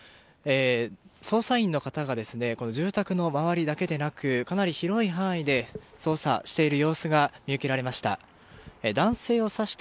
捜査員の方が住宅の周りだけでなくかなり広い範囲で捜査している様子が見受けられました。